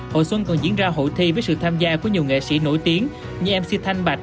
hội xuân còn diễn ra hội thi với sự tham gia của nhiều nghệ sĩ nổi tiếng như mc thanh bạch